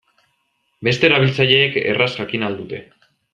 Beste erabiltzaileek erraz jakin ahal dute.